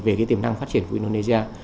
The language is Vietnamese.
về cái tiềm năng phát triển của indonesia